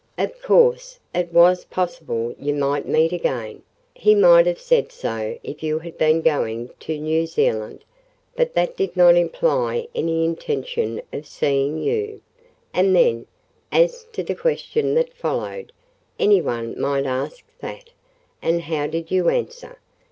Of course, it was possible you might meet again: he might have said so if you had been going to New Zealand; but that did not imply any intention of seeing you—and then, as to the question that followed, anyone might ask that: and how did you answer?